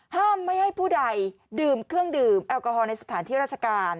ห้ามไม่ให้ผู้ใดดื่มเครื่องดื่มแอลกอฮอลในสถานที่ราชการ